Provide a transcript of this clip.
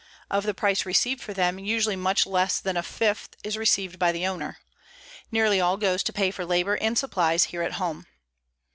Of the price received for them usually much less than a fifth is received by the owner. Nearly all goes to pay for labor and supplies here at home.